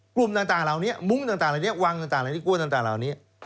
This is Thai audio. กลุ่มต่างเหล่านี้มุ้งต่างเหล่านี้วังต่างอะไรที่กลัวต่างเหล่านี้